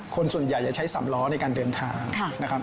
คนส่วนใหญ่จะใช้สำล้อในการเดินทางนะครับ